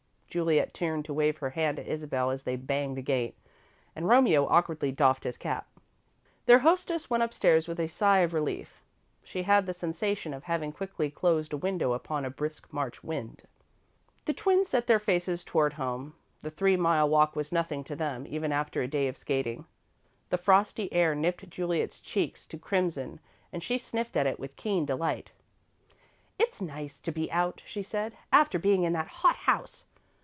Juliet turned to wave her hand at Isabel as they banged the gate, and Romeo awkwardly doffed his cap. Their hostess went up stairs with a sigh of relief. She had the sensation of having quickly closed a window upon a brisk March wind. The twins set their faces toward home. The three mile walk was nothing to them, even after a day of skating. The frosty air nipped Juliet's cheeks to crimson and she sniffed at it with keen delight. "It's nice to be out," she said, "after being in that hot house.